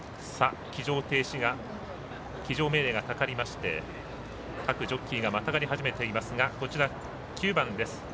騎乗命令がかかりまして各ジョッキーがまたがり始めていますが９番です。